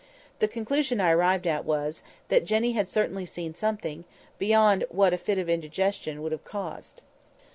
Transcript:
The conclusion I arrived at was, that Jenny had certainly seen something beyond what a fit of indigestion would have caused.